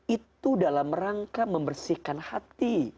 itu dalam rangka membersihkan hati